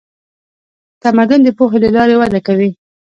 تمدن د پوهې له لارې وده کوي.